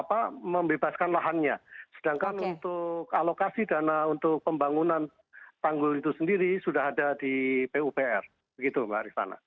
apa membebaskan lahannya sedangkan untuk alokasi dana untuk pembangunan tanggul itu sendiri sudah ada di pupr begitu mbak rifana